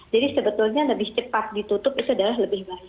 jadi sebetulnya lebih cepat ditutup itu adalah lebih baik